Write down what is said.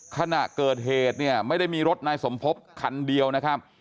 ขณะเกิดเหตุเนี่ยไม่ได้มีรถนายสมภพคันเดียวนะครับ